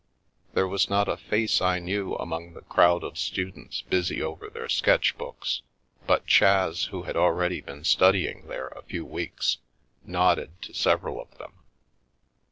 There was not a face I knew among the crowd of students busy over their sketch books, but Chas, who had already been studying there a few weeks, nodded to several of them.